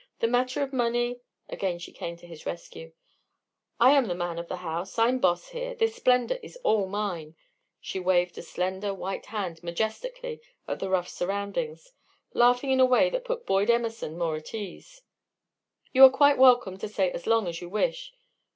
The matter of money " Again she came to his rescue. "I am the man of the house. I'm boss here. This splendor is all mine." She waved a slender white hand majestically at the rough surroundings, laughing in a way that put Boyd Emerson more at his ease. "You are quite welcome to stay as long as you wish.